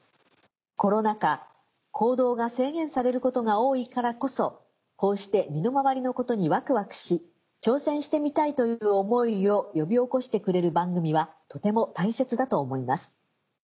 コロナ禍行動が制限されることが多いからこそこうして身の回りのことにワクワクし挑戦してみたいという思いを呼び起こしてくれる番組はとても大切だと思います」。